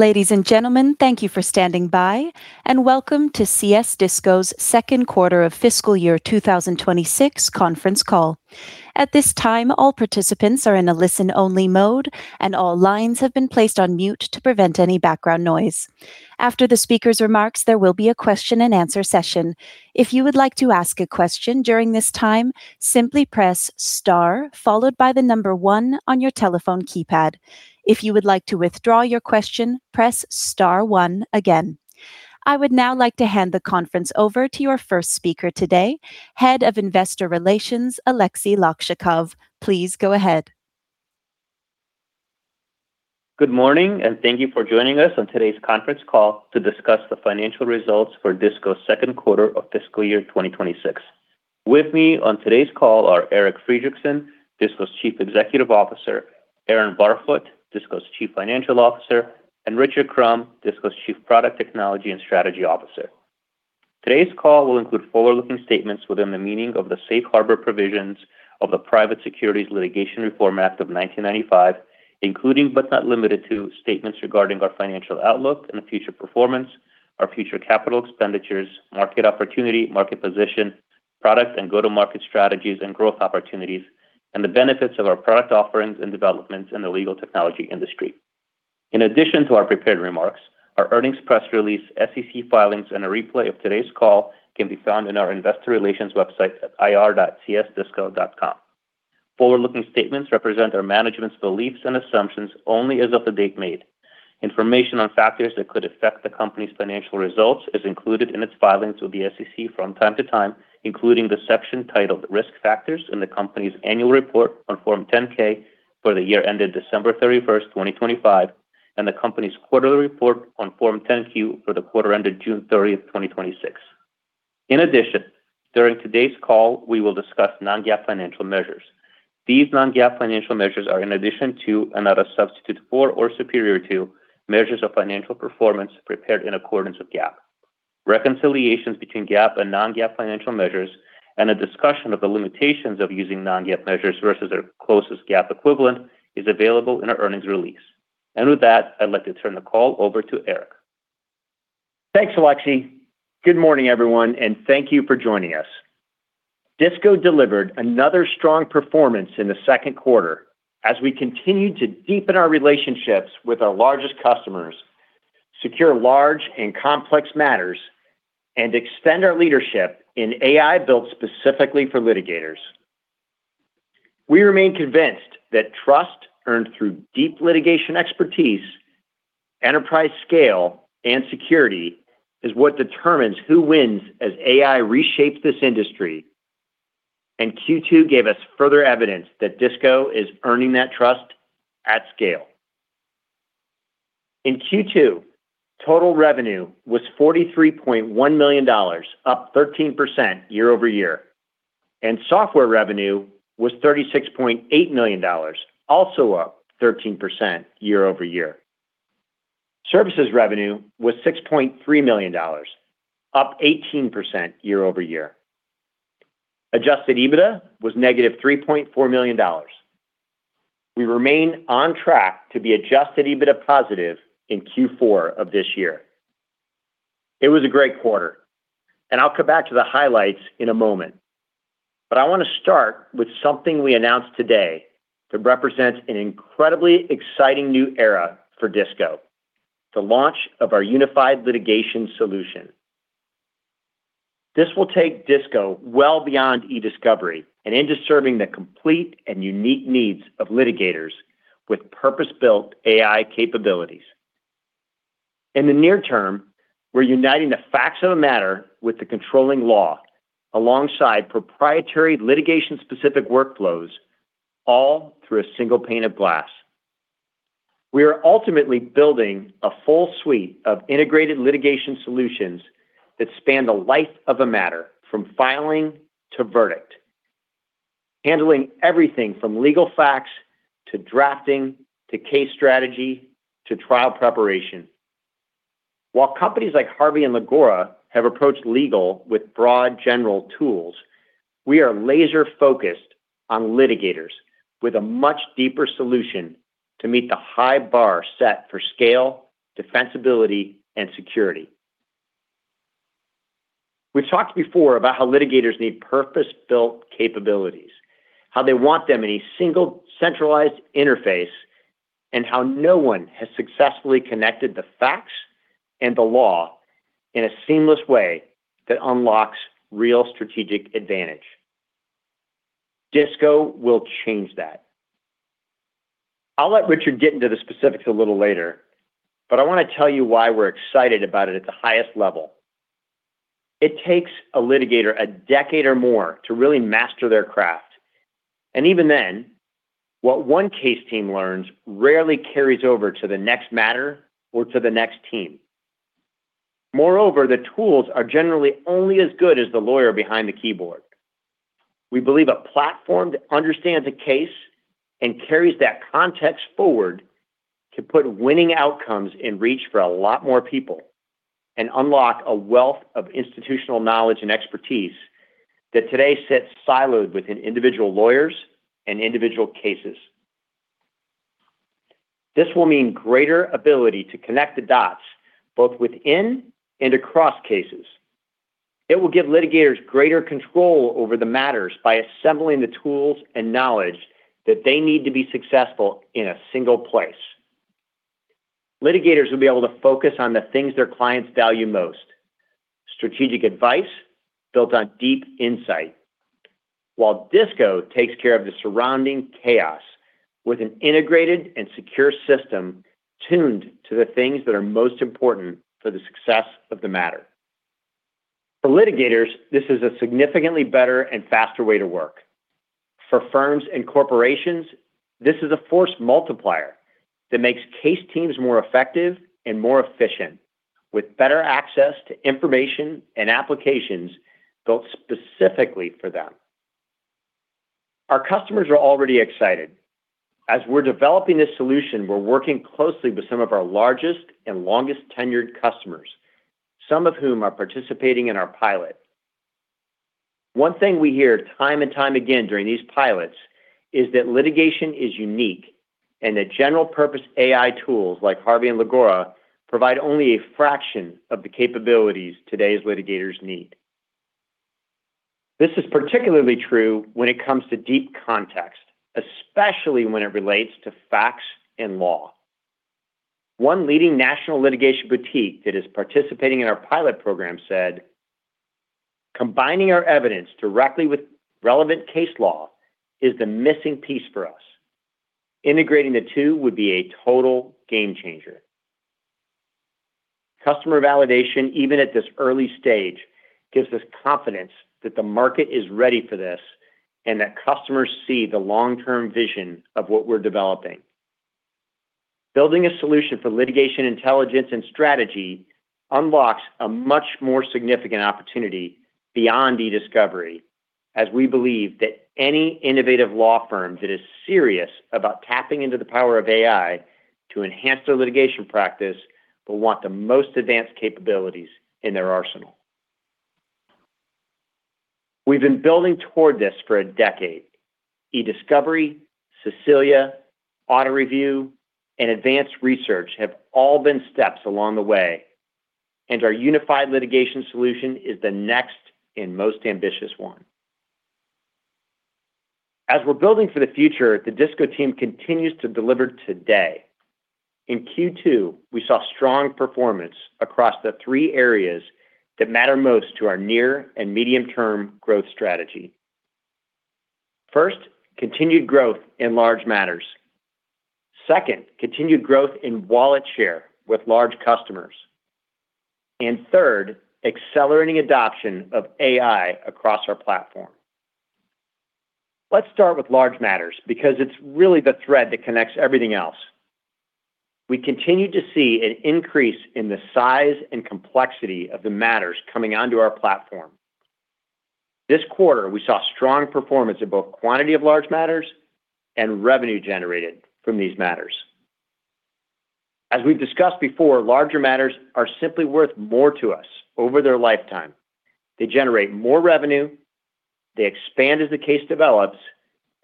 Ladies and gentlemen, thank you for standing by, and welcome to CS Disco's second quarter of fiscal year 2026 conference call. At this time, all participants are in a listen-only mode, and all lines have been placed on mute to prevent any background noise. After the speaker's remarks, there will be a question-and-answer session. If you would like to ask a question during this time, simply press star followed by the number one on your telephone keypad. If you would like to withdraw your question, press star one again. I would now like to hand the conference over to your first speaker today, Head of Investor Relations, Aleksey Lakchakov. Please go ahead. Good morning, thank you for joining us on today's conference call to discuss the financial results for Disco's second quarter of fiscal year 2026. With me on today's call are Eric Friedrichsen, Disco's Chief Executive Officer, Aaron Barfoot, Disco's Chief Financial Officer, and Richard Crum, Disco's Chief Product Technology and Strategy Officer. Today's call will include forward-looking statements within the meaning of the Safe Harbor Provisions of the Private Securities Litigation Reform Act of 1995, including but not limited to statements regarding our financial outlook and future performance, our future capital expenditures, market opportunity, market position, product and go-to-market strategies and growth opportunities, and the benefits of our product offerings and developments in the legal technology industry. In addition to our prepared remarks, our earnings press release, SEC filings, and a replay of today's call can be found on our investor relations website at ir.csdisco.com. Forward-looking statements represent our management's beliefs and assumptions only as of the date made. Information on factors that could affect the company's financial results is included in its filings with the SEC from time to time, including the section titled Risk Factors in the company's annual report on Form 10-K for the year ended December 31st, 2025, and the company's quarterly report on Form 10-Q for the quarter ended June 30th, 2026. In addition, during today's call, we will discuss non-GAAP financial measures. These non-GAAP financial measures are in addition to and not a substitute for or superior to measures of financial performance prepared in accordance with GAAP. Reconciliations between GAAP and non-GAAP financial measures and a discussion of the limitations of using non-GAAP measures versus their closest GAAP equivalent is available in our earnings release. With that, I'd like to turn the call over to Erik. Thanks, Aleksey. Good morning, everyone, thank you for joining us. Disco delivered another strong performance in the second quarter as we continued to deepen our relationships with our largest customers, secure large and complex matters, and extend our leadership in AI built specifically for litigators. We remain convinced that trust earned through deep litigation expertise, enterprise scale, and security is what determines who wins as AI reshapes this industry, Q2 gave us further evidence that Disco is earning that trust at scale. In Q2, total revenue was $43.1 million, up 13% year-over-year, software revenue was $36.8 million, also up 13% year-over-year. Services revenue was $6.3 million, up 18% year-over-year. Adjusted EBITDA was -$3.4 million. We remain on track to be Adjusted EBITDA positive in Q4 of this year. It was a great quarter, and I'll come back to the highlights in a moment, but I want to start with something we announced today that represents an incredibly exciting new era for Disco, the launch of our DISCO Unified Litigation Solution. This will take Disco well beyond e-discovery and into serving the complete and unique needs of litigators with purpose-built AI capabilities. In the near term, we're uniting the facts of a matter with the controlling law alongside proprietary litigation-specific workflows, all through a single pane of glass. We are ultimately building a full suite of integrated litigation solutions that span the life of a matter from filing to verdict, handling everything from legal facts to drafting to case strategy to trial preparation. While companies like Harvey and Legorra have approached legal with broad general tools, we are laser-focused on litigators with a much deeper solution to meet the high bar set for scale, defensibility, and security. We've talked before about how litigators need purpose-built capabilities, how they want them in a single centralized interface, and how no one has successfully connected the facts and the law in a seamless way that unlocks real strategic advantage. Disco will change that. I'll let Richard get into the specifics a little later, but I want to tell you why we're excited about it at the highest level. It takes a litigator a decade or more to really master their craft, and even then, what one case team learns rarely carries over to the next matter or to the next team. Moreover, the tools are generally only as good as the lawyer behind the keyboard. We believe a platform that understands a case and carries that context forward can put winning outcomes in reach for a lot more people and unlock a wealth of institutional knowledge and expertise that today sits siloed within individual lawyers and individual cases. This will mean greater ability to connect the dots both within and across cases. It will give litigators greater control over the matters by assembling the tools and knowledge that they need to be successful in a single place. Litigators will be able to focus on the things their clients value most, strategic advice built on deep insight, while Disco takes care of the surrounding chaos with an integrated and secure system tuned to the things that are most important for the success of the matter. For litigators, this is a significantly better and faster way to work. For firms and corporations, this is a force multiplier that makes case teams more effective and more efficient with better access to information and applications built specifically for them. Our customers are already excited. As we're developing this solution, we're working closely with some of our largest and longest-tenured customers, some of whom are participating in our pilot. One thing we hear time and time again during these pilots is that litigation is unique, and that general-purpose AI tools like Harvey and Legorra provide only a fraction of the capabilities today's litigators need. This is particularly true when it comes to deep context, especially when it relates to facts and law. One leading national litigation boutique that is participating in our pilot program said, "Combining our evidence directly with relevant case law is the missing piece for us. Integrating the two would be a total game changer." Customer validation, even at this early stage, gives us confidence that the market is ready for this and that customers see the long-term vision of what we're developing. Building a solution for litigation intelligence and strategy unlocks a much more significant opportunity beyond e-discovery, as we believe that any innovative law firm that is serious about tapping into the power of AI to enhance their litigation practice will want the most advanced capabilities in their arsenal. We've been building toward this for a decade. e-discovery, Cecilia, AutoReview, and Advanced Research have all been steps along the way, and our Unified Litigation Solution is the next and most ambitious one. As we're building for the future, the Disco team continues to deliver today. In Q2, we saw strong performance across the three areas that matter most to our near and medium-term growth strategy. First, continued growth in large matters. Second, continued growth in wallet share with large customers. Third, accelerating adoption of AI across our platform. Let's start with large matters, because it's really the thread that connects everything else. We continue to see an increase in the size and complexity of the matters coming onto our platform. This quarter, we saw strong performance in both quantity of large matters and revenue generated from these matters. As we've discussed before, larger matters are simply worth more to us over their lifetime. They generate more revenue, they expand as the case develops,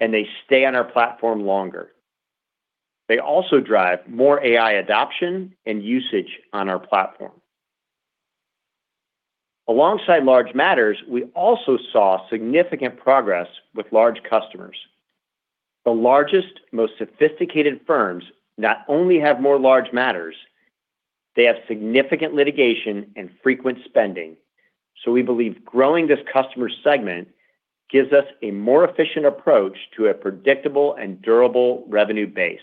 and they stay on our platform longer. They also drive more AI adoption and usage on our platform. Alongside large matters, we also saw significant progress with large customers. The largest, most sophisticated firms not only have more large matters, they have significant litigation and frequent spending, we believe growing this customer segment gives us a more efficient approach to a predictable and durable revenue base.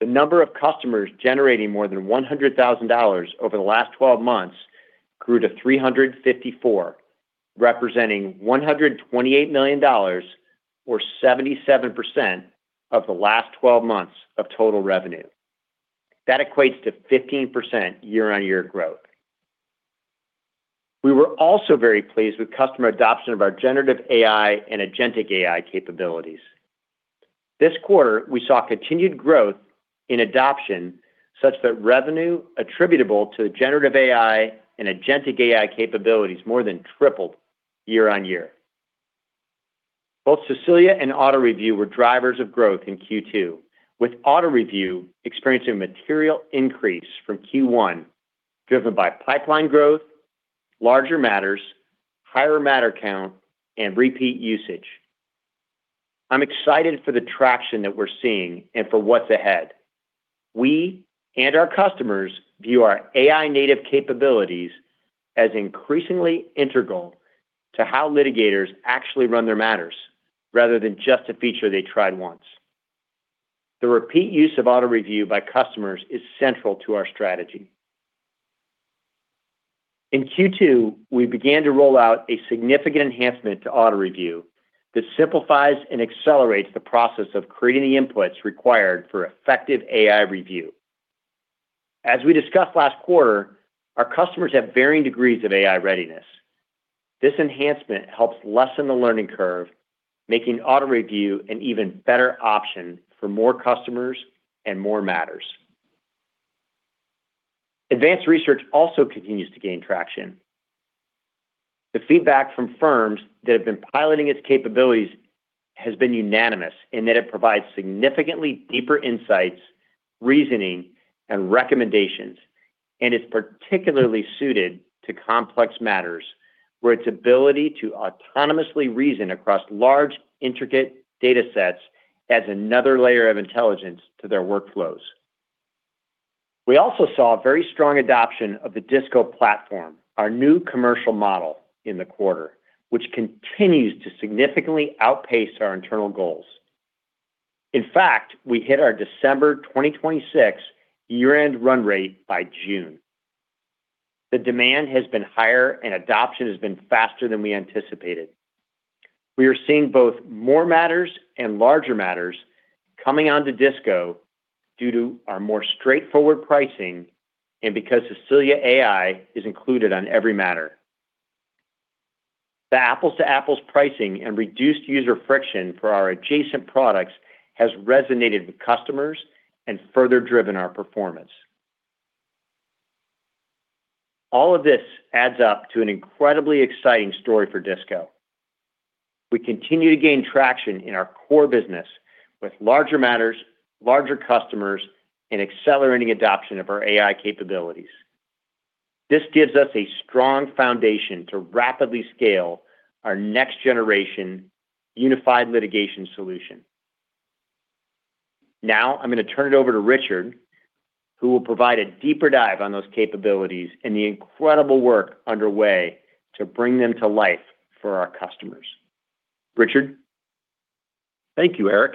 The number of customers generating more than $100,000 over the last 12 months grew to 354, representing $128 million, or 77% of the last 12 months of total revenue. That equates to 15% year-on-year growth. We were also very pleased with customer adoption of our generative AI and agentic AI capabilities. This quarter, we saw continued growth in adoption such that revenue attributable to generative AI and agentic AI capabilities more than tripled year-on-year. Both Cecilia and AutoReview were drivers of growth in Q2, with AutoReview experiencing a material increase from Q1, driven by pipeline growth, larger matters, higher matter count, and repeat usage. I'm excited for the traction that we're seeing and for what's ahead. We and our customers view our AI-native capabilities as increasingly integral to how litigators actually run their matters, rather than just a feature they tried once. The repeat use of AutoReview by customers is central to our strategy. In Q2, we began to roll out a significant enhancement to AutoReview that simplifies and accelerates the process of creating the inputs required for effective AI review. As we discussed last quarter, our customers have varying degrees of AI readiness. This enhancement helps lessen the learning curve, making AutoReview an even better option for more customers and more matters. Advanced Research also continues to gain traction. The feedback from firms that have been piloting its capabilities has been unanimous in that it provides significantly deeper insights, reasoning, and recommendations, and is particularly suited to complex matters where its ability to autonomously reason across large, intricate data sets adds another layer of intelligence to their workflows. We also saw a very strong adoption of the DISCO Platform, our new commercial model in the quarter, which continues to significantly outpace our internal goals. In fact, we hit our December 2026 year-end run-rate by June. The demand has been higher, and adoption has been faster than we anticipated. We are seeing both more matters and larger matters coming onto DISCO due to our more straightforward pricing and because Cecilia AI is included on every matter. The apples-to-apples pricing and reduced user friction for our adjacent products has resonated with customers and further driven our performance. All of this adds up to an incredibly exciting story for DISCO. We continue to gain traction in our core business with larger matters, larger customers, and accelerating adoption of our AI capabilities. This gives us a strong foundation to rapidly scale our next-generation DISCO Unified Litigation Solution. I'm going to turn it over to Richard, who will provide a deeper dive on those capabilities and the incredible work underway to bring them to life for our customers. Richard? Thank you, Eric.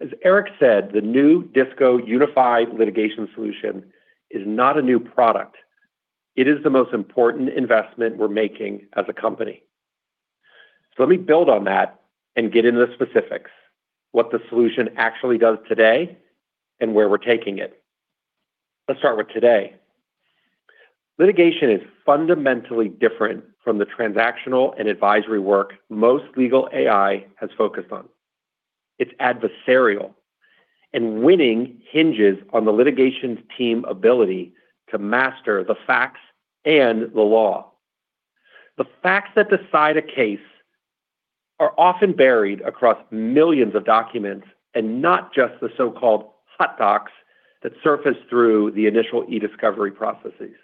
As Eric said, the new DISCO Unified Litigation Solution is not a new product. It is the most important investment we're making as a company. Let me build on that and get into the specifics, what the solution actually does today, and where we're taking it. Let's start with today. Litigation is fundamentally different from the transactional and advisory work most legal AI has focused on. It's adversarial, and winning hinges on the litigation team's ability to master the facts and the law. The facts that decide a case are often buried across millions of documents and not just the so-called hot docs that surface through the initial e-discovery processes.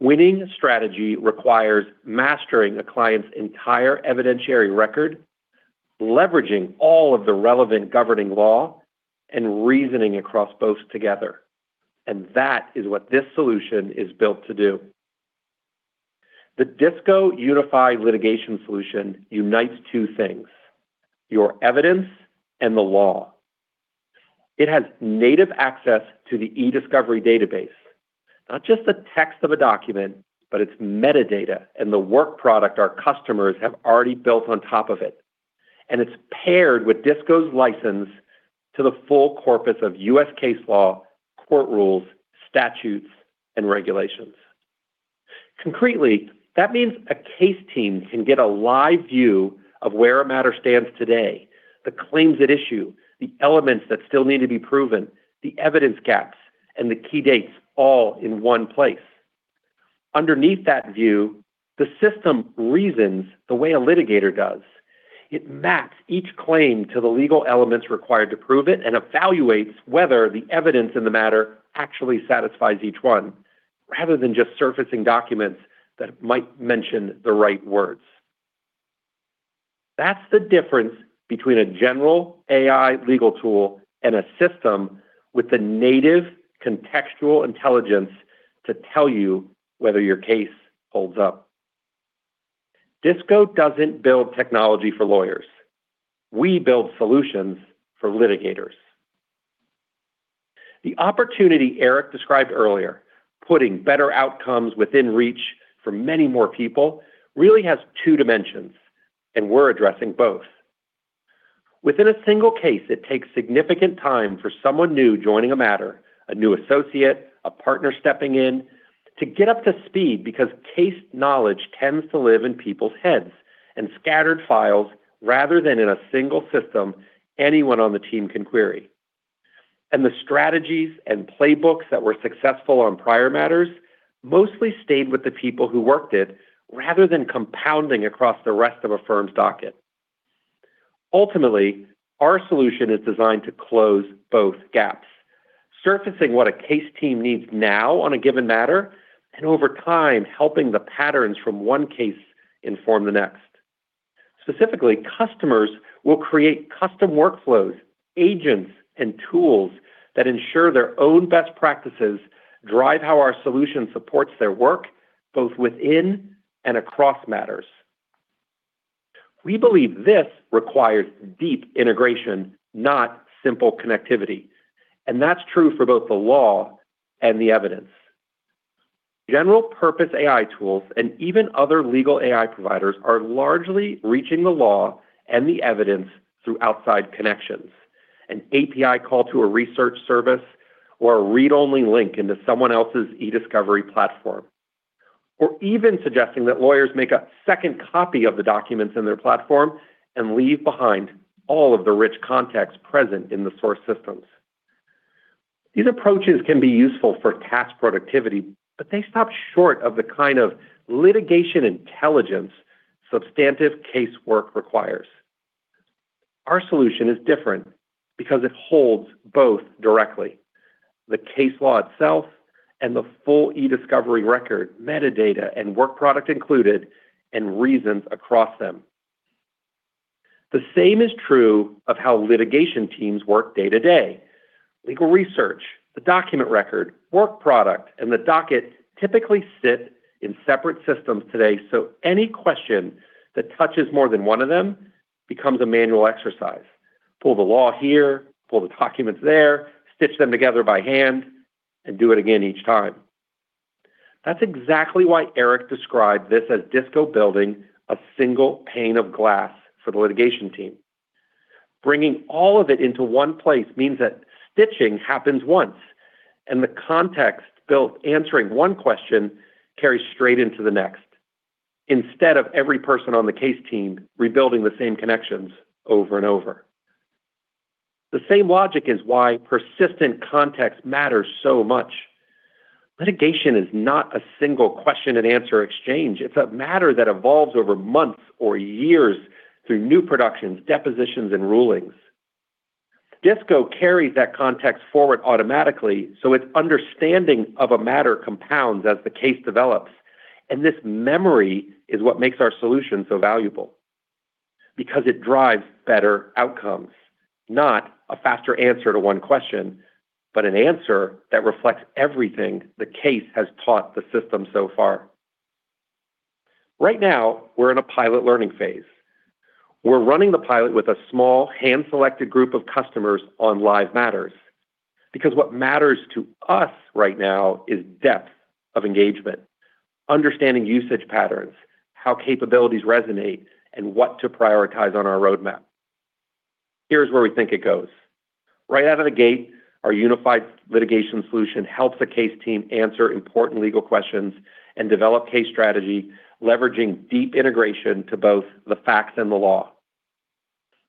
Winning strategy requires mastering a client's entire evidentiary record, leveraging all of the relevant governing law, and reasoning across both together. That is what this solution is built to do. The DISCO Unified Litigation Solution unites two things, your evidence and the law. It has native access to the e-discovery database, not just the text of a document, but its metadata and the work product our customers have already built on top of it. It's paired with DISCO's license to the full corpus of US case law, court rules, statutes, and regulations. Concretely, that means a case team can get a live view of where a matter stands today, the claims at issue, the elements that still need to be proven, the evidence gaps, and the key dates all in one place. Underneath that view, the system reasons the way a litigator does. It maps each claim to the legal elements required to prove it and evaluates whether the evidence in the matter actually satisfies each one, rather than just surfacing documents that might mention the right words. That's the difference between a general AI legal tool and a system with the native contextual intelligence to tell you whether your case holds up. Disco doesn't build technology for lawyers. We build solutions for litigators. The opportunity Eric described earlier, putting better outcomes within reach for many more people, really has two dimensions, and we're addressing both. Within a single case, it takes significant time for someone new joining a matter, a new associate, a partner stepping in, to get up to speed because case knowledge tends to live in people's heads and scattered files rather than in a single system anyone on the team can query. The strategies and playbooks that were successful on prior matters mostly stayed with the people who worked it, rather than compounding across the rest of a firm's docket. Ultimately, our solution is designed to close both gaps, surfacing what a case team needs now on a given matter and over time, helping the patterns from one case inform the next. Specifically, customers will create custom workflows, agents, and tools that ensure their own best practices drive how our solution supports their work, both within and across matters. We believe this requires deep integration, not simple connectivity, and that's true for both the law and the evidence. General purpose AI tools and even other legal AI providers are largely reaching the law and the evidence through outside connections. An API call to a research service or a read-only link into someone else's e-discovery platform. Or even suggesting that lawyers make a second copy of the documents in their platform and leave behind all of the rich context present in the source systems. These approaches can be useful for task productivity, but they stop short of the kind of litigation intelligence substantive case work requires. Our solution is different because it holds both directly, the case law itself and the full e-discovery record, metadata, and work product included, and reasons across them. The same is true of how litigation teams work day-to-day. Legal research, the document record, work product, and the docket typically sit in separate systems today, so any question that touches more than one of them becomes a manual exercise. Pull the law here, pull the documents there, stitch them together by hand, and do it again each time. That's exactly why Eric described this as Disco building a single pane of glass for the litigation team. Bringing all of it into one place means that stitching happens once and the context built answering one question carries straight into the next, instead of every person on the case team rebuilding the same connections over and over. The same logic is why persistent context matters so much. Litigation is not a single question-and-answer exchange. It's a matter that evolves over months or years through new productions, depositions, and rulings. Disco carries that context forward automatically, so its understanding of a matter compounds as the case develops, and this memory is what makes our solution so valuable. Because it drives better outcomes, not a faster answer to one question, but an answer that reflects everything the case has taught the system so far. Right now, we're in a pilot learning phase. We're running the pilot with a small, hand-selected group of customers on live matters. What matters to us right now is depth of engagement, understanding usage patterns, how capabilities resonate, and what to prioritize on our roadmap. Here's where we think it goes. Right out of the gate, our DISCO Unified Litigation Solution helps the case team answer important legal questions and develop case strategy, leveraging deep integration to both the facts and the law.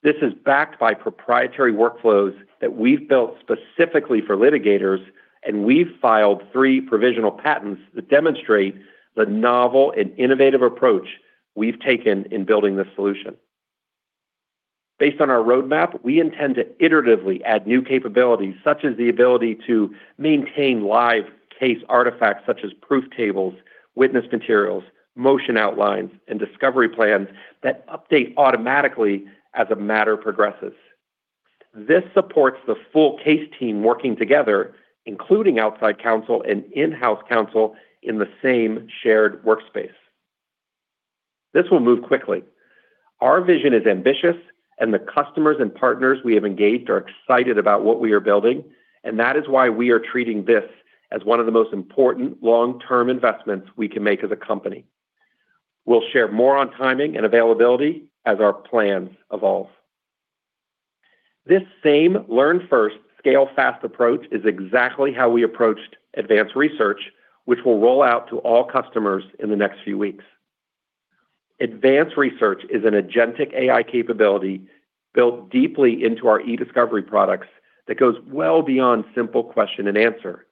This is backed by proprietary workflows that we've built specifically for litigators, and we've filed three provisional patents that demonstrate the novel and innovative approach we've taken in building this solution. Based on our roadmap, we intend to iteratively add new capabilities, such as the ability to maintain live case artifacts such as proof tables, witness materials, motion outlines, and discovery plans that update automatically as a matter progresses. This supports the full case team working together, including outside counsel and in-house counsel in the same shared workspace. This will move quickly. Our vision is ambitious, the customers and partners we have engaged are excited about what we are building, that is why we are treating this as one of the most important long-term investments we can make as a company. We'll share more on timing and availability as our plans evolve. This same learn first, scale fast approach is exactly how we approached Advanced Research, which will roll out to all customers in the next few weeks. Advanced Research is an agentic AI capability built deeply into our e-discovery products that goes well beyond simple question-and-answer.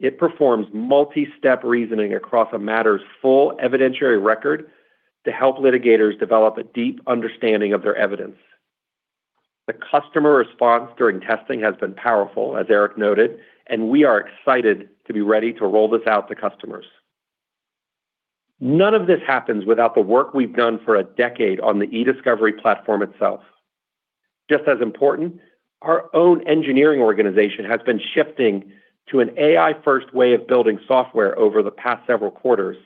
It performs multi-step reasoning across a matter's full evidentiary record to help litigators develop a deep understanding of their evidence. The customer response during testing has been powerful, as Eric noted, we are excited to be ready to roll this out to customers. None of this happens without the work we've done for a decade on the e-discovery platform itself. Just as important, our own engineering organization has been shifting to an AI-first way of building software over the past several quarters,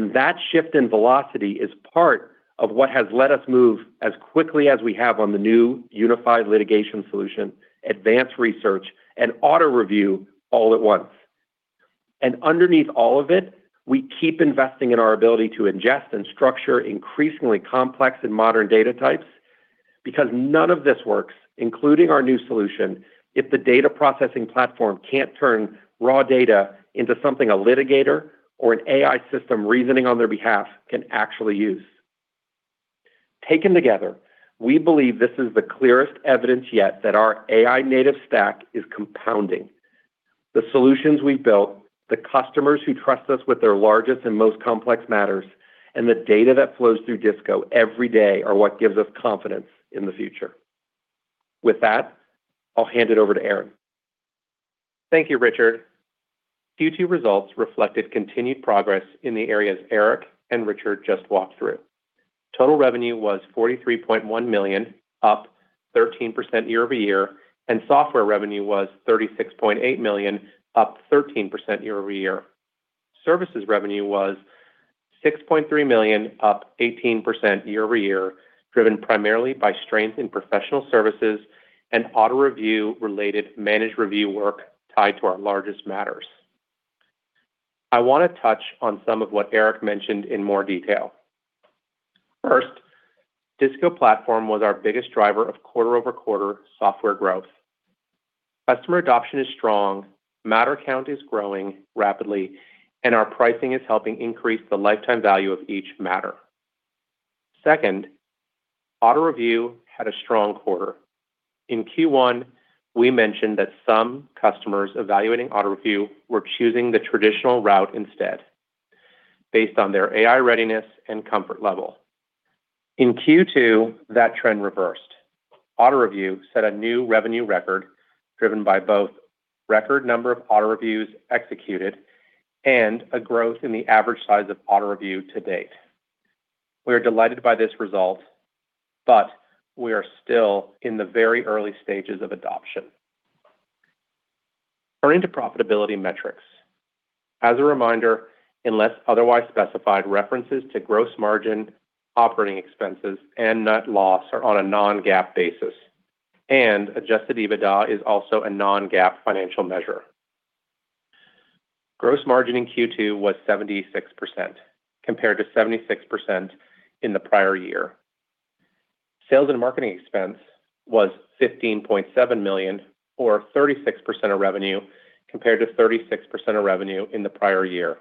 that shift in velocity is part of what has let us move as quickly as we have on the new DISCO Unified Litigation Solution, Advanced Research, and Auto Review all at once. Underneath all of it, we keep investing in our ability to ingest and structure increasingly complex and modern data types, because none of this works, including our new solution, if the data processing platform can't turn raw data into something a litigator or an AI system reasoning on their behalf can actually use. Taken together, we believe this is the clearest evidence yet that our AI-native stack is compounding. The solutions we've built, the customers who trust us with their largest and most complex matters, the data that flows through CS Disco every day are what gives us confidence in the future. With that, I'll hand it over to Aaron. Thank you, Richard. Q2 results reflected continued progress in the areas Eric and Richard just walked through. Total revenue was $43.1 million, up 13% year-over-year, software revenue was $36.8 million, up 13% year-over-year. Services revenue was $6.3 million, up 18% year-over-year, driven primarily by strength in professional services and Cecilia Auto Review related managed review work tied to our largest matters. I want to touch on some of what Eric mentioned in more detail. First, DISCO Platform was our biggest driver of quarter-over-quarter software growth. Customer adoption is strong, matter count is growing rapidly, and our pricing is helping increase the lifetime value of each matter. Second, AutoReview had a strong quarter. In Q1, we mentioned that some customers evaluating AutoReview were choosing the traditional route instead, based on their AI readiness and comfort level. In Q2, that trend reversed. AutoReview set a new revenue record driven by both record number of AutoReviews executed and a growth in the average size of AutoReview to date. We are delighted by this result, but we are still in the very early stages of adoption. Turning to profitability metrics. As a reminder, unless otherwise specified, references to gross margin, operating expenses, and net loss are on a non-GAAP basis, and Adjusted EBITDA is also a non-GAAP financial measure. Gross margin in Q2 was 76%, compared to 76% in the prior year. Sales and marketing expense was $15.7 million, or 36% of revenue, compared to 36% of revenue in the prior year.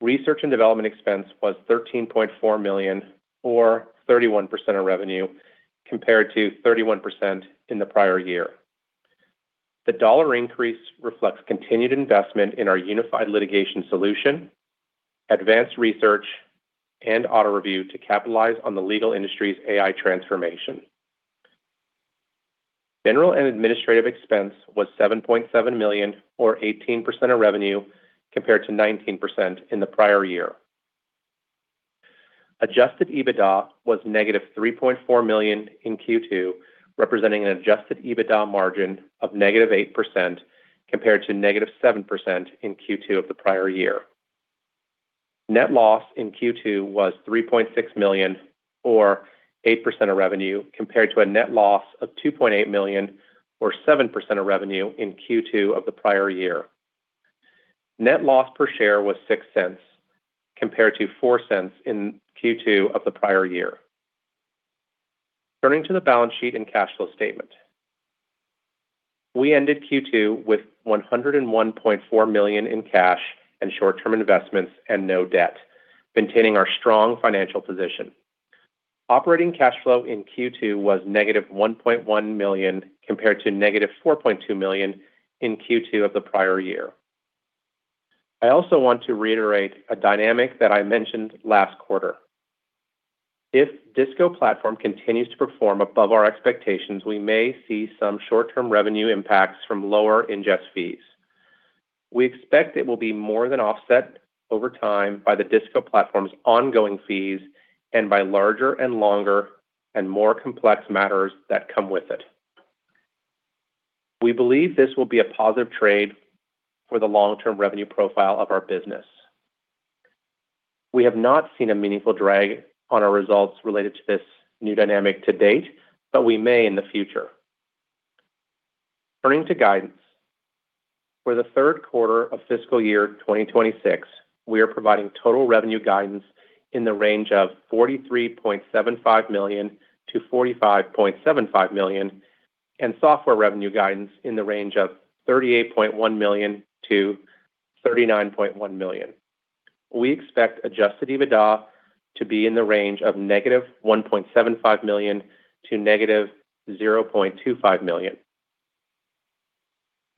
Research and development expense was $13.4 million, or 31% of revenue, compared to 31% in the prior year. The dollar increase reflects continued investment in our DISCO Unified Litigation Solution, Advanced Research, and AutoReview to capitalize on the legal industry's AI transformation. General and administrative expense was $7.7 million, or 18% of revenue, compared to 19% in the prior year. Adjusted EBITDA was -$3.4 million in Q2, representing an Adjusted EBITDA margin of -8%, compared to -7% in Q2 of the prior year. Net loss in Q2 was $3.6 million, or 8% of revenue, compared to a net loss of $2.8 million, or 7% of revenue, in Q2 of the prior year. Net loss per share was $0.06, compared to $0.04 in Q2 of the prior year. Turning to the balance sheet and cash flow statement. We ended Q2 with $101.4 million in cash and short-term investments and no debt, maintaining our strong financial position. Operating cash flow in Q2 was -$1.1 million, compared to -$4.2 million in Q2 of the prior year. I also want to reiterate a dynamic that I mentioned last quarter. If DISCO Platform continues to perform above our expectations, we may see some short-term revenue impacts from lower ingest fees. We expect it will be more than offset over time by the DISCO Platform's ongoing fees and by larger and longer and more complex matters that come with it. We believe this will be a positive trade for the long-term revenue profile of our business. We have not seen a meaningful drag on our results related to this new dynamic to date, but we may in the future. Turning to guidance. For the third quarter of fiscal year 2026, we are providing total revenue guidance in the range of $43.75 million-$45.75 million and software revenue guidance in the range of $38.1 million-$39.1 million. We expect Adjusted EBITDA to be in the range of -$1.75 million to -$0.25 million.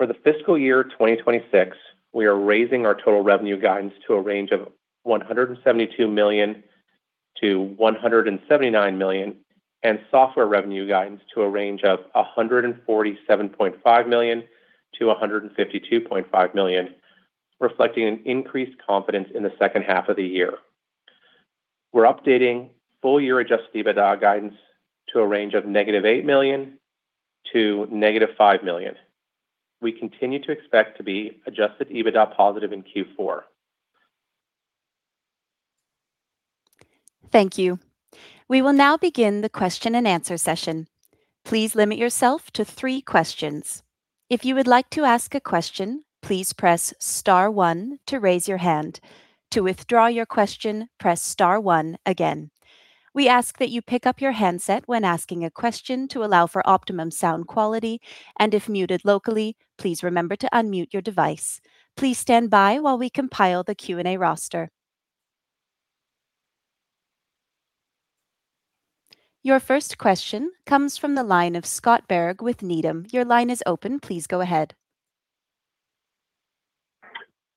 For the fiscal year 2026, we are raising our total revenue guidance to a range of $172 million-$179 million and software revenue guidance to a range of $147.5 million-$152.5 million, reflecting an increased confidence in the second half of the year. We are updating full year Adjusted EBITDA guidance to a range of -$8 million to -$5 million. We continue to expect to be Adjusted EBITDA positive in Q4. Thank you. We will now begin the question-and-answer session. Please limit yourself to three questions. If you would like to ask a question, please press star one to raise your hand. To withdraw your question, press star one again. We ask that you pick up your handset when asking a question to allow for optimum sound quality, and if muted locally, please remember to unmute your device. Please stand by while we compile the Q&A roster. Your first question comes from the line of Scott Berg with Needham. Your line is open. Please go ahead.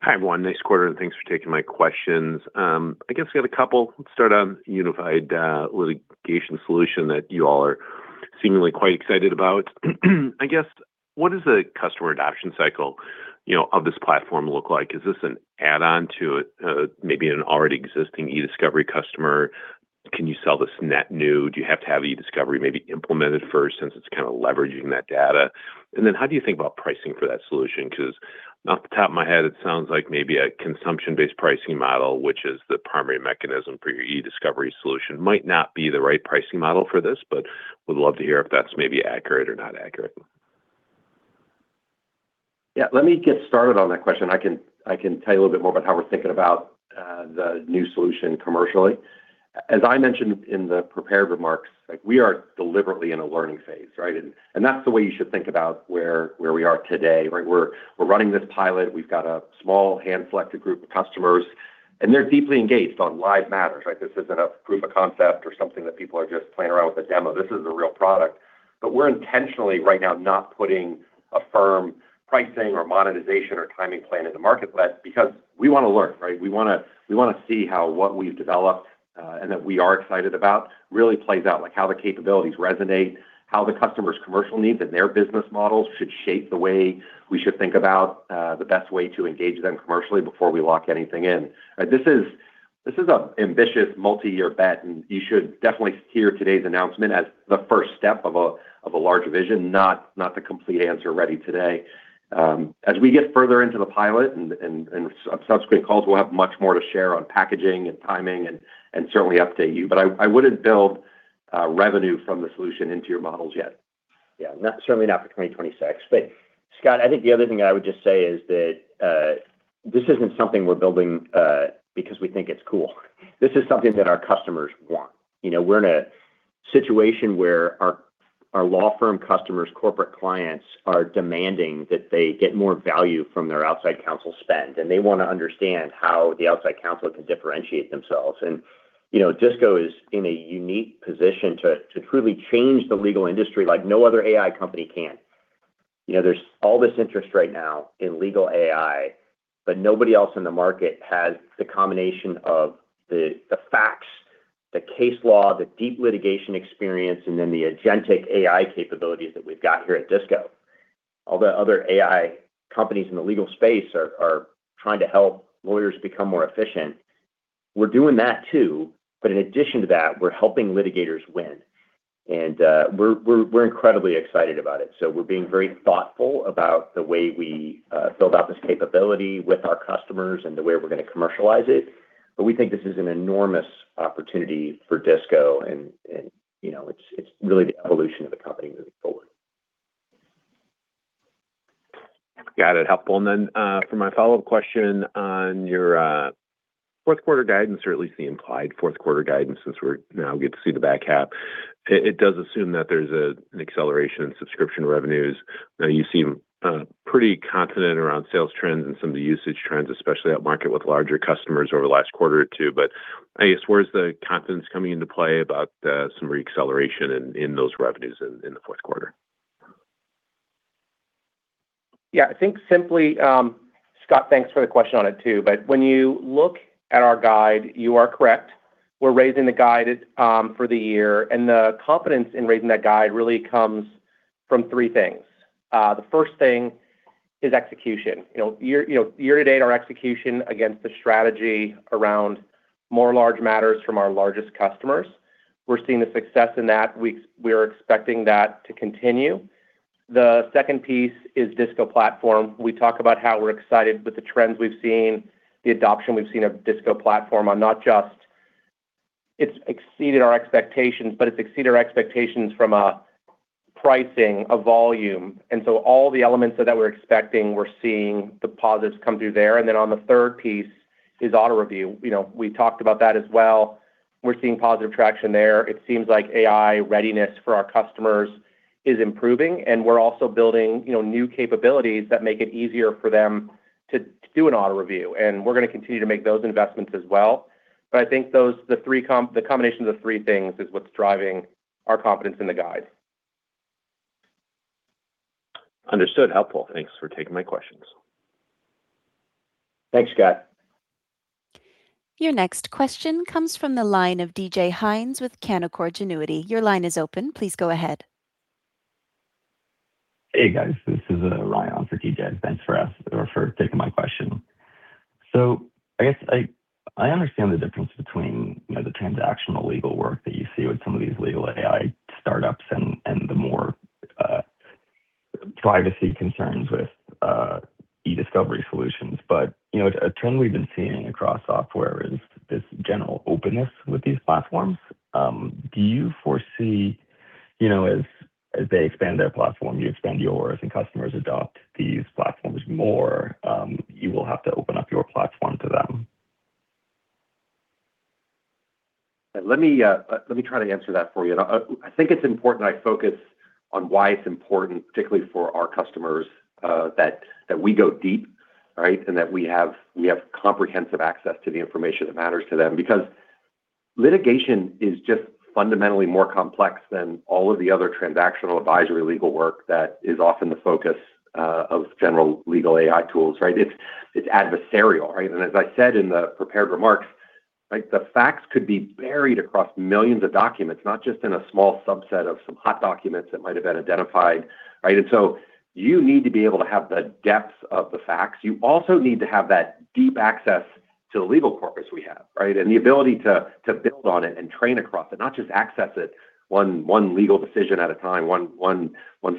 Hi, everyone. Nice quarter. Thanks for taking my questions. I guess I got a couple. Let's start on Unified Litigation Solution that you all are seemingly quite excited about. I guess, what is the customer adoption cycle of this platform look like? Is this an add-on to maybe an already existing e-discovery customer? Can you sell this net new? Do you have to have e-discovery maybe implemented first since it is kind of leveraging that data? And then how do you think about pricing for that solution? Because off the top of my head, it sounds like maybe a consumption-based pricing model, which is the primary mechanism for your e-discovery solution, might not be the right pricing model for this, but would love to hear if that is maybe accurate or not accurate. Yeah, let me get started on that question. I can tell you a little bit more about how we are thinking about the new solution commercially. As I mentioned in the prepared remarks, we are deliberately in a learning phase, right? That is the way you should think about where we are today. We are running this pilot. We have got a small, hand-selected group of customers, and they are deeply engaged on live matters. This is not a proof of concept or something that people are just playing around with a demo. This is a real product. We are intentionally, right now, not putting a firm pricing or monetization or timing plan into market yet because we want to learn. We want to see how what we've developed, and that we are excited about, really plays out, like how the capabilities resonate, how the customer's commercial needs and their business models should shape the way we should think about the best way to engage them commercially before we lock anything in. This is an ambitious multi-year bet. You should definitely hear today's announcement as the first step of a larger vision, not the complete answer ready today. As we get further into the pilot and subsequent calls, we'll have much more to share on packaging and timing, and certainly update you. I wouldn't build revenue from the solution into your models yet. Yeah. Certainly not for 2026. Scott, I think the other thing that I would just say is that this isn't something we're building because we think it's cool. This is something that our customers want. We're in a situation where our law firm customers, corporate clients, are demanding that they get more value from their outside counsel spend, and they want to understand how the outside counsel can differentiate themselves. DISCO is in a unique position to truly change the legal industry like no other AI company can. There's all this interest right now in legal AI, but nobody else in the market has the combination of the facts, the case law, the deep litigation experience, and then the agentic AI capabilities that we've got here at DISCO. All the other AI companies in the legal space are trying to help lawyers become more efficient. We're doing that too, but in addition to that, we're helping litigators win, and we're incredibly excited about it. We're being very thoughtful about the way we build out this capability with our customers and the way we're going to commercialize it, but we think this is an enormous opportunity for DISCO, and it's really the evolution of the company moving forward. Got it. Helpful. For my follow-up question on your fourth quarter guidance, or at least the implied fourth quarter guidance, since we now get to see the back half, it does assume that there's an acceleration in subscription revenues. You seem pretty confident around sales trends and some of the usage trends, especially at market with larger customers over the last quarter or two. I guess, where's the confidence coming into play about some re-acceleration in those revenues in the fourth quarter? Scott, thanks for the question on it, too. When you look at our guide, you are correct. We're raising the guide for the year, the confidence in raising that guide really comes from three things. The first thing is execution. Year-to-date, our execution against the strategy around more large matters from our largest customers, we're seeing the success in that. We are expecting that to continue. The second piece is DISCO Platform. We talk about how we're excited with the trends we've seen, the adoption we've seen of DISCO Platform on not just it's exceeded our expectations, but it's exceeded our expectations from a pricing, a volume. All the elements that we're expecting, we're seeing the positives come through there. On the third piece is AutoReview. We talked about that as well. We're seeing positive traction there. It seems like AI readiness for our customers is improving, we're also building new capabilities that make it easier for them to do an AutoReview, we're going to continue to make those investments as well. I think the combination of the three things is what's driving our confidence in the guide. Understood. Helpful. Thanks for taking my questions. Thanks, Scott. Your next question comes from the line of D.J. Hynes with Canaccord Genuity. Your line is open. Please go ahead. Hey, guys. This is Ryan for D.J. Thanks for taking my question. I guess I understand the difference between the transactional legal work that you see with some of these legal AI startups and the more privacy concerns with e-discovery solutions. A trend we've been seeing across software is this general openness with these platforms. Do you foresee, as they expand their platform, you expand yours, and customers adopt these platforms more, you will have to open up your platform to them? Let me try to answer that for you. I think it's important I focus on why it's important, particularly for our customers, that we go deep. Right? That we have comprehensive access to the information that matters to them, because litigation is just fundamentally more complex than all of the other transactional advisory legal work that is often the focus of general legal AI tools. Right? It's adversarial, right? As I said in the prepared remarks, the facts could be buried across millions of documents, not just in a small subset of some hot documents that might have been identified. Right? You need to be able to have the depth of the facts. You also need to have that deep access to the legal corpus we have, right, and the ability to build on it and train across it, not just access it one legal decision at a time, one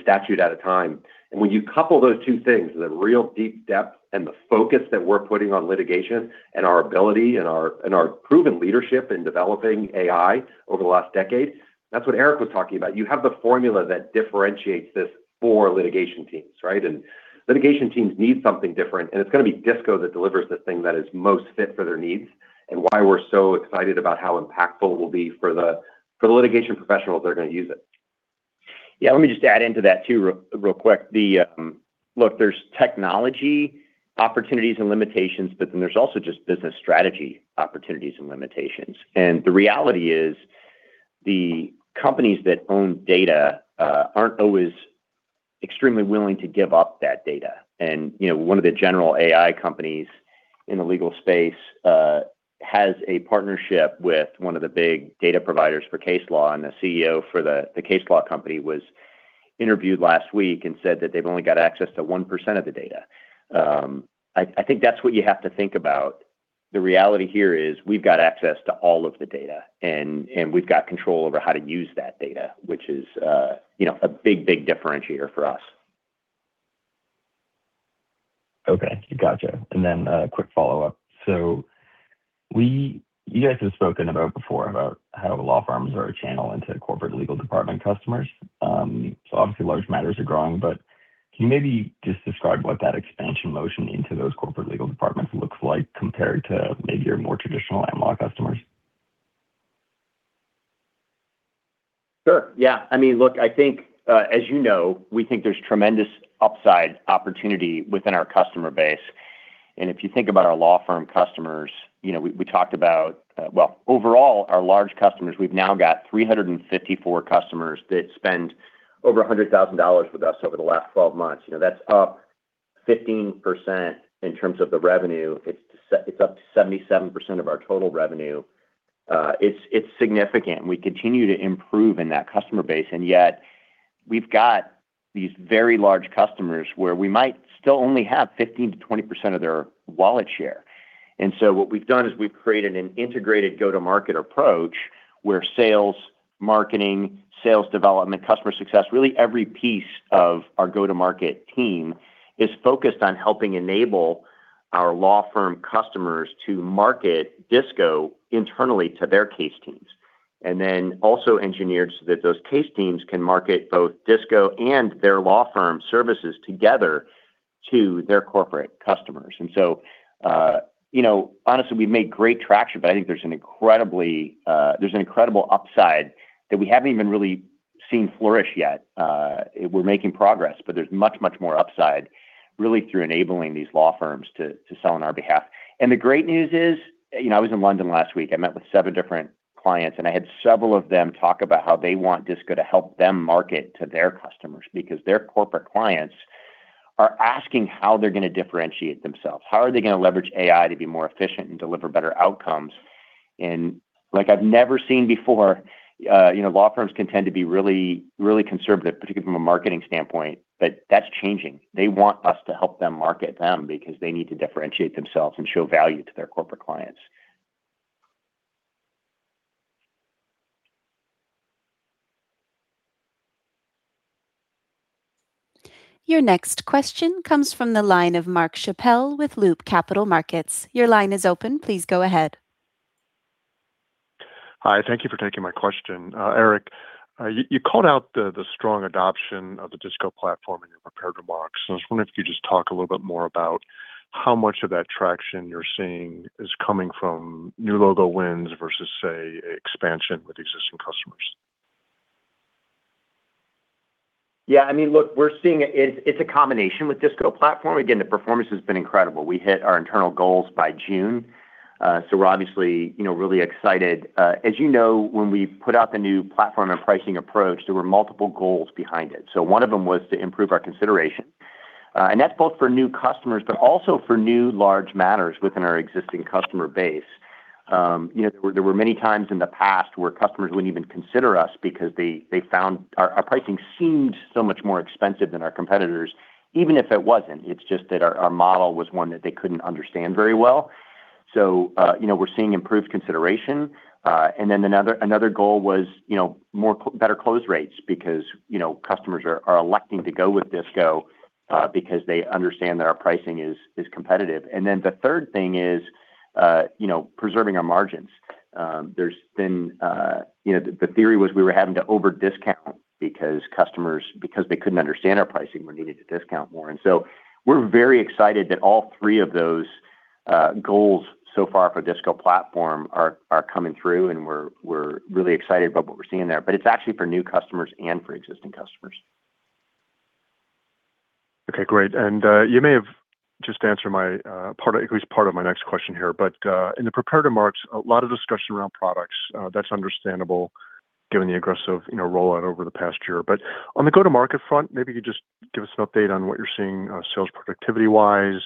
statute at a time. When you couple those two things, the real deep depth and the focus that we're putting on litigation and our ability and our proven leadership in developing AI over the last decade, that's what Eric was talking about. You have the formula that differentiates this for litigation teams, right? Litigation teams need something different, and it's going to be Disco that delivers the thing that is most fit for their needs. Why we're so excited about how impactful it will be for the litigation professionals that are going to use it. Yeah, let me just add into that too real quick. Look, there's technology opportunities and limitations, but then there's also just business strategy opportunities and limitations. The reality is, the companies that own data aren't always extremely willing to give up that data. One of the general AI companies in the legal space has a partnership with one of the big data providers for case law. The CEO for the case law company was interviewed last week and said that they've only got access to 1% of the data. I think that's what you have to think about. The reality here is we've got access to all of the data, and we've got control over how to use that data, which is a big differentiator for us. Okay, got you. Then a quick follow-up. You guys have spoken about before about how law firms are a channel into corporate legal department customers. Obviously, large matters are growing, but can you maybe just describe what that expansion motion into those corporate legal departments looks like compared to maybe your more traditional Am Law customers? Sure. Yeah. Look, as you know, we think there's tremendous upside opportunity within our customer base. If you think about our law firm customers, we talked about overall, our large customers, we've now got 354 customers that spend over $100,000 with us over the last 12 months. That's up 15% in terms of the revenue. It's up to 77% of our total revenue. It's significant. We continue to improve in that customer base, and yet we've got these very large customers where we might still only have 15%-20% of their wallet share. So what we've done is we've created an integrated go-to-market approach where sales, marketing, sales development, customer success, really every piece of our go-to-market team is focused on helping enable our law firm customers to market DISCO internally to their case teams. Also engineered so that those case teams can market both Disco and their law firm services together to their corporate customers. Honestly, we've made great traction, but I think there's an incredible upside that we haven't even really seen flourish yet. We're making progress, but there's much more upside, really, through enabling these law firms to sell on our behalf. The great news is, I was in London last week. I met with seven different clients, and I had several of them talk about how they want Disco to help them market to their customers because their corporate clients are asking how they're going to differentiate themselves. How are they going to leverage AI to be more efficient and deliver better outcomes? Like I've never seen before, law firms can tend to be really conservative, particularly from a marketing standpoint, but that's changing. They want us to help them market them because they need to differentiate themselves and show value to their corporate clients. Your next question comes from the line of Mark Schappel with Loop Capital Markets. Your line is open. Please go ahead. Hi. Thank you for taking my question. Eric, you called out the strong adoption of the DISCO Platform in your prepared remarks. I was wondering if you could just talk a little bit more about how much of that traction you're seeing is coming from new logo wins versus, say, expansion with existing customers. Yeah. Look, it's a combination with DISCO Platform. Again, the performance has been incredible. We hit our internal goals by June, we're obviously really excited. As you know, when we put out the new platform and pricing approach, there were multiple goals behind it. One of them was to improve our consideration. That's both for new customers, but also for new large matters within our existing customer base. There were many times in the past where customers wouldn't even consider us because our pricing seemed so much more expensive than our competitors, even if it wasn't. It's just that our model was one that they couldn't understand very well. We're seeing improved consideration. Another goal was better close rates because customers are electing to go with Disco because they understand that our pricing is competitive. The third thing is preserving our margins. The theory was we were having to over discount because customers, because they couldn't understand our pricing, we needed to discount more. We're very excited that all three of those goals so far for DISCO Platform are coming through, and we're really excited about what we're seeing there. It's actually for new customers and for existing customers. Okay, great. You may have just answered at least part of my next question here. In the prepared remarks, a lot of discussion around products. That's understandable given the aggressive rollout over the past year. On the go-to-market front, maybe you could just give us an update on what you're seeing sales productivity wise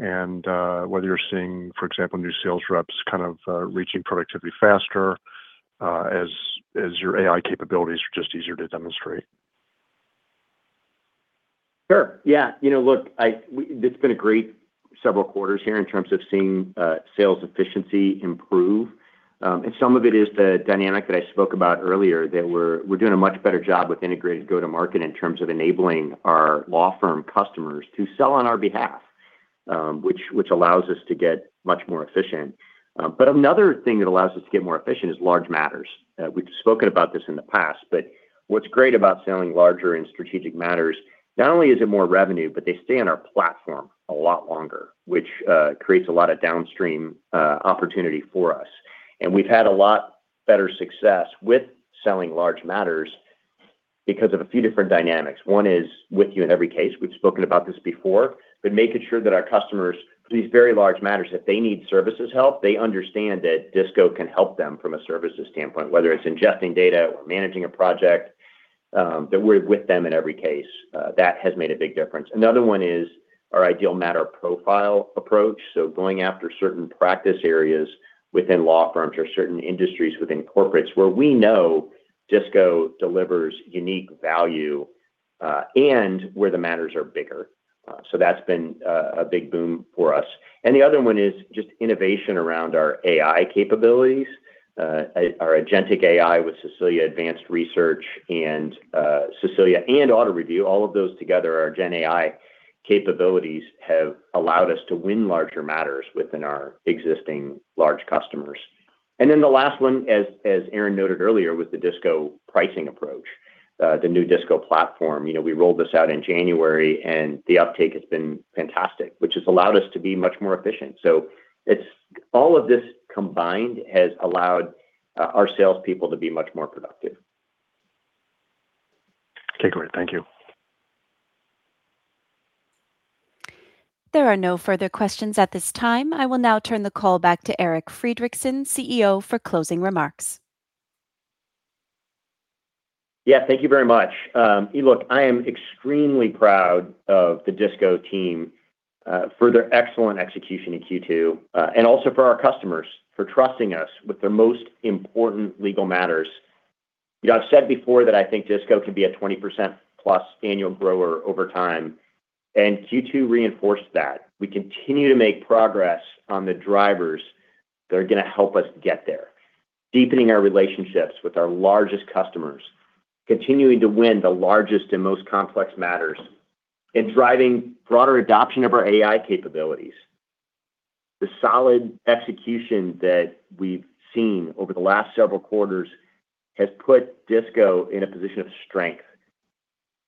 and whether you're seeing, for example, new sales reps kind of reaching productivity faster as your AI capabilities are just easier to demonstrate. Sure. Yeah. Look, it's been a great several quarters here in terms of seeing sales efficiency improve. Some of it is the dynamic that I spoke about earlier, that we're doing a much better job with integrated go-to-market in terms of enabling our law firm customers to sell on our behalf, which allows us to get much more efficient. Another thing that allows us to get more efficient is large matters. We've spoken about this in the past, but what's great about selling larger and strategic matters, not only is it more revenue, but they stay on our platform a lot longer, which creates a lot of downstream opportunity for us. We've had a lot better success with selling large matters because of a few different dynamics. One is, with you in every case, we've spoken about this before, but making sure that our customers, for these very large matters, if they need services help, they understand that DISCO can help them from a services standpoint, whether it's ingesting data or managing a project, that we're with them in every case. That has made a big difference. Another one is our ideal matter profile approach. Going after certain practice areas within law firms or certain industries within corporates where we know DISCO delivers unique value, and where the matters are bigger. That's been a big boom for us. The other one is just innovation around our AI capabilities, our agentic AI with Cecilia Advanced Research and Cecilia Auto Review. All of those together, our gen AI capabilities, have allowed us to win larger matters within our existing large customers. The last one, as Aaron noted earlier, was the DISCO pricing approach, the new DISCO Platform. We rolled this out in January, and the uptake has been fantastic, which has allowed us to be much more efficient. All of this combined has allowed our salespeople to be much more productive. Okay, great. Thank you. There are no further questions at this time. I will now turn the call back to Eric Friedrichsen, CEO, for closing remarks. Thank you very much. I am extremely proud of the DISCO team for their excellent execution in Q2, and also for our customers for trusting us with their most important legal matters. I've said before that I think DISCO can be a 20%+ annual grower over time, and Q2 reinforced that. We continue to make progress on the drivers that are going to help us get there, deepening our relationships with our largest customers, continuing to win the largest and most complex matters, and driving broader adoption of our AI capabilities. The solid execution that we've seen over the last several quarters has put DISCO in a position of strength.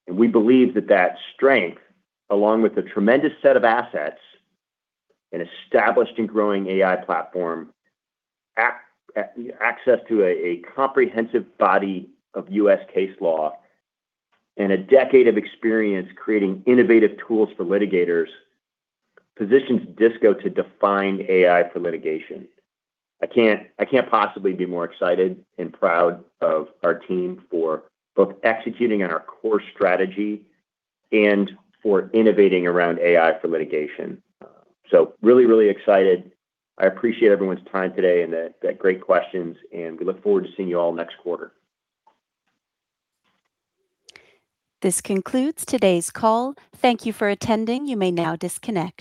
We believe that that strength, along with a tremendous set of assets, an established and growing AI platform, access to a comprehensive body of US case law, and a decade of experience creating innovative tools for litigators, positions DISCO to define AI for litigation. I can't possibly be more excited and proud of our team for both executing on our core strategy and for innovating around AI for litigation. Really, really excited. I appreciate everyone's time today and the great questions, and we look forward to seeing you all next quarter. This concludes today's call. Thank you for attending. You may now disconnect.